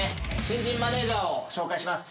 新人マネージャーを紹介します。